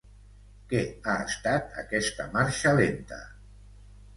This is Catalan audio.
Què ha estat aquesta marxa lenta?